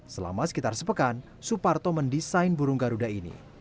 selama sekitar sepekan suparto mendesain burung garuda ini